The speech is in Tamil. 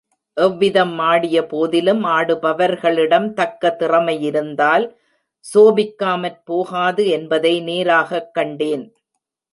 எவ்விதம் ஆடியபோதிலும் ஆடுபவர்களிடம் தக்க திறமையிருந்தால் சோபிக்காமற் போகாது என்பதை நேராகக் கண்டேன்.